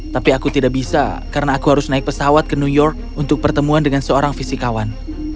tapi aku tidak bisa karena aku harus naik pesawat ke new york untuk pertemuan dengan seorang fisikawan